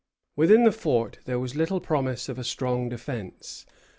Within the fort there was little promise of a strong defence.